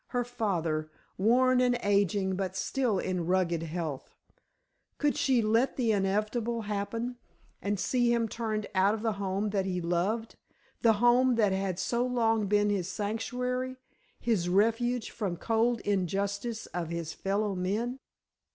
Her father, worn and aging, but still in rugged health. Could she let the inevitable happen, and see him turned out of the home that he loved—the home that had so long been his sanctuary, his refuge from the cold injustice of his fellow men?